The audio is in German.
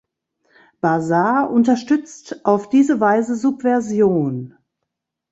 Bazaar unterstützt auf diese Weise Subversion.